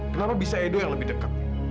kenapa bisa edo yang lebih dekat